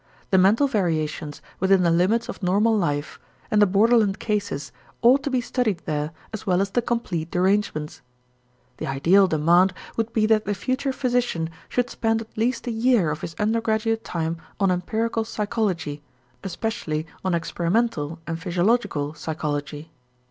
The mental variations within the limits of normal life and the borderland cases ought to be studied there as well as the complete derangements. The ideal demand would be that the future physician should spend at least a year of his undergraduate time on empirical psychology, especially on experimental and physiological psychology.